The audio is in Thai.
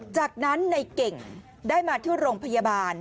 จากนั้นในเก่งได้มาที่โรงพยาบาล